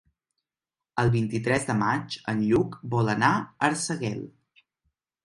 El vint-i-tres de maig en Lluc vol anar a Arsèguel.